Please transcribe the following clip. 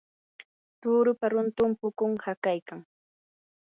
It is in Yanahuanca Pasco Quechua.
turupa runtu pukun hakaykan.